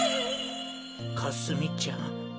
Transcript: かすみちゃん。